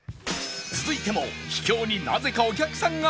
続いても秘境になぜかお客さんが殺到